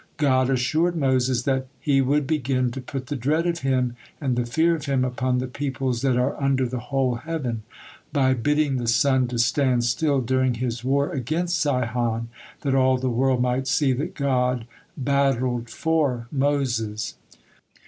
God assured Moses that "He would begin to put the dread of him and the fear of him upon the peoples that are under the whole heaven," by bidding the sun to stand still during his war against Sihon, that all the world might see that God battled for Moses.